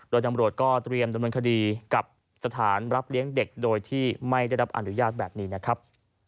โดยตำรวจก็เตรียมดำเนินคดีกับสถานรับเลี้ยงเด็กโดยที่ไม่ได้รับอนุญาตแบบนี้นะครับ